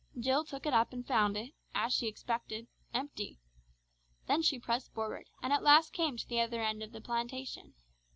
Jill took it up and found it as she expected empty. Then she pressed forward, and at last came to the other end of the plantation.